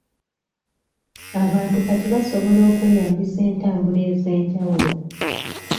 Abantu kati basobola okweyambisa entambula ez'enjawulo.